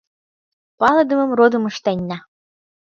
Палыдымым родым ыштенна.